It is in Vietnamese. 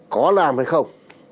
có làm hay không